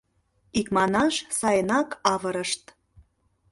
Икманаш, сайынак авырышт.